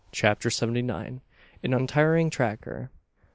CHAPTER SEVENTY NINE. AN UNTIRING TRACKER.